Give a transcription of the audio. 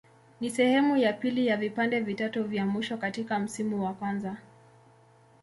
Ni sehemu ya pili ya vipande vitatu vya mwisho katika msimu wa kwanza.